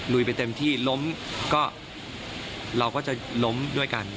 ไปเต็มที่ล้มก็เราก็จะล้มด้วยกัน